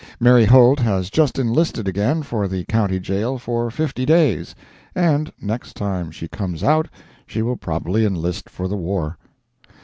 Mary Holt has just enlisted again for the County Jail for fifty days, and next time she comes out she will probably enlist for the war.